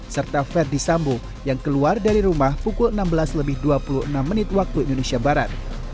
serta verdi sambo yang keluar dari rumah pukul enam belas lebih dua puluh enam menit waktu indonesia barat